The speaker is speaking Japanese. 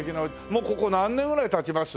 もうここ何年ぐらい経ちます？